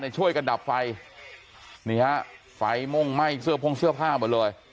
ช่วยกันดับไฟนี่ฮะไฟม่วงไหม้เสื้อพ่งเสื้อผ้าหมดเลย